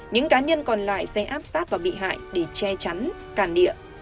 những cá nhân còn lại sẽ áp sát và bị hại để che chắn cản địa